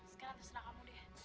sekarang terserah kamu deh